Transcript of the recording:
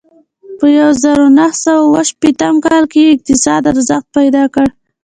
په یوه زرو نهه سوه اوه شپېتم کال کې یې اقتصاد ارزښت پیدا کړ.